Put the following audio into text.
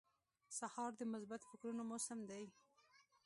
سهار د مثبتو فکرونو موسم دی.